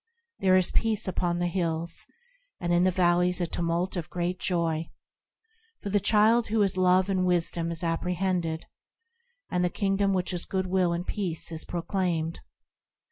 There is peace upon the hills, and in the valleys a tumult of great joy, For the Child who is Love and Wisdom is apprehended, And the Kingdom which is Goodwill and Peace is proclaimed.